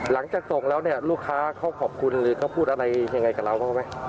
หลังจากส่งแล้วเนี่ยลูกค้าเขาขอบคุณหรือเขาพูดอะไรยังไงกับเราบ้างไหม